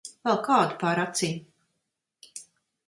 Velk ādu pār acīm.